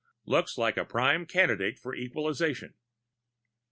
Looks like a prime candidate for equalization.